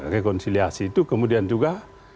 rekonsiliasi itu kemudian juga